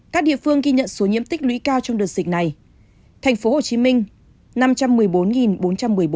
các địa phương ghi nhận số nhiễm tích lũy cao trong đợt dịch này